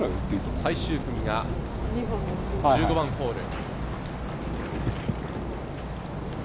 最終組が１５番ホール。